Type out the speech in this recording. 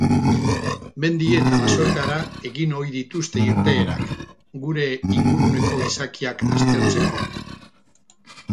Mendi eta basoetara egin ohi dituzte irteerak, gure inguruneko izakiak aztertzeko.